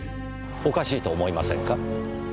おかしいと思いませんか？